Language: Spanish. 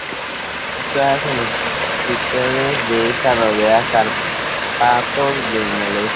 Situada en los Sudetes, está rodeada por los Cárpatos en el este.